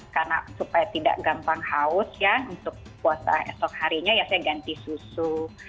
karena supaya tidak gampang haus ya untuk puasa esok harinya ya saya ganti susu